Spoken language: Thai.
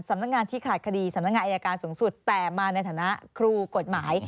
สำนักงานที่ขาดคดีสำนักงานอายการสูงสุดแต่มาในฐานะครูกฎหมาย